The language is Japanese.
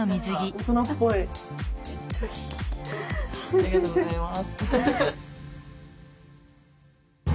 ありがとうございます。